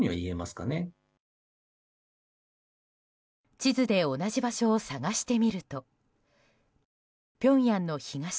地図で同じ場所を探してみるとピョンヤンの東